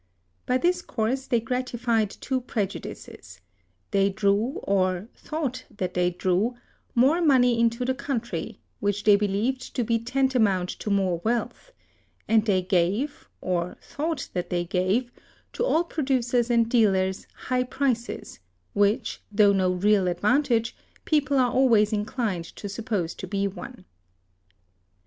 By this course they gratified two prejudices: they drew, or thought that they drew, more money into the country, which they believed to be tantamount to more wealth; and they gave, or thought that they gave, to all producers and dealers, high prices, which, though no real advantage, people are always inclined to suppose to be one.